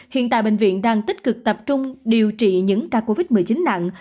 hiện tại bệnh viện đang tích cực tập trung điều trị những ca covid một mươi chín nặng